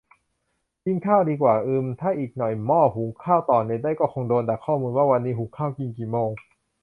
กินข้าวดีกว่า อืมม ถ้าอีกหน่อยหม้อหุงข้าวต่อเน็ตได้ก็คงโดนดักข้อมูลว่า วันนี้หุงข้าวกินกี่โมง